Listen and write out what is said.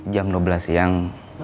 jam dua belas siang